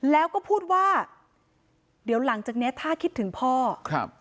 แล้วก็พูดว่าเดี๋ยวหลังจากเนี้ยถ้าคิดถึงพ่อครับ